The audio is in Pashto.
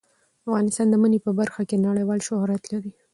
افغانستان د منی په برخه کې نړیوال شهرت لري.